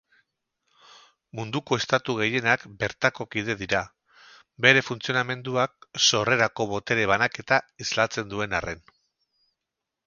Munduko estatu gehienak bertako kide dira, bere funtzionamenduak sorrerako botere banaketa islatzen duen arren.